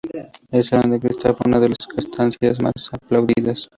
El Salón de Cristal fue una de las estancias más aplaudidas.